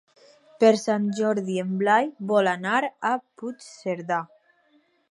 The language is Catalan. Per Sant Jordi en Blai vol anar a Puigcerdà.